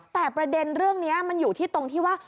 แต่ประเด็นเรื่องนี้มันอยู่ที่ตรงที่ว่า